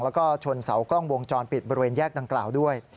แล้วก็ชนเสากล้องวงจรปิดบริเวณแยกดังกล่าวด้วย